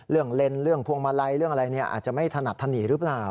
เล่นเรื่องพวงมาลัยเรื่องอะไรอาจจะไม่ถนัดถนีหรือเปล่า